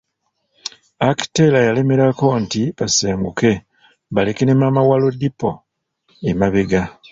Akitela yalemelako nti basenguke, baleke ne maama wa Lodipo emabega.